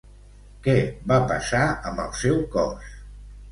Què va passar amb el seu cos?